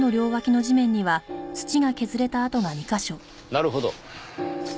なるほど。